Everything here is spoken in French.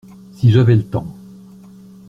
Si j’avais le temps.